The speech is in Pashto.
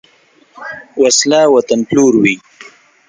وسله وطن پلوروي